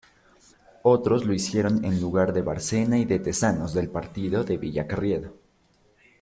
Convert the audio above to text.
Otros lo hicieron en lugar de Bárcena y de Tezanos, del partido de Villacarriedo.